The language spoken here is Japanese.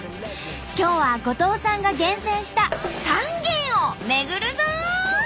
今日は後藤さんが厳選した３軒を巡るぞ！